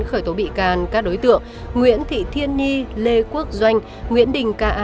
khởi tố bị can các đối tượng nguyễn thị thiên nhi lê quốc doanh nguyễn đình k a